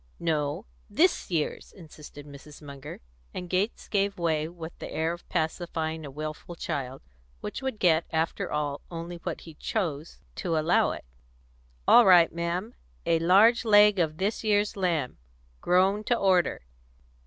"No; this year's," insisted Mrs. Munger; and Gates gave way with the air of pacifying a wilful child, which would get, after all, only what he chose to allow it. "All right, ma'am; a large leg of this year's lamb grown to order.